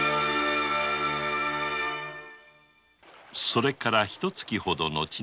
それからひと月ほど後。